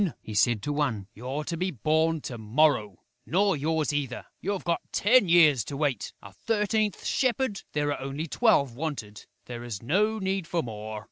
he said to one. "You're to be born to morrow!... Nor yours either, you've got ten years to wait.... A thirteenth shepherd?... There are only twelve wanted; there is no need for more....